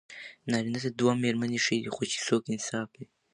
نارېنه ته دوه ميرمني ښې دي، خو چې څوک انصاف کوي